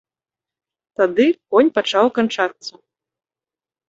Тады конь пачаў канчацца.